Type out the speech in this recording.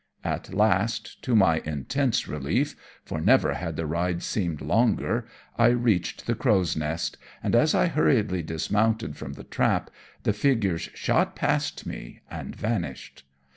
At last, to my intense relief for never had the ride seemed longer I reached the Crow's Nest, and as I hurriedly dismounted from the trap, the figures shot past me and vanished.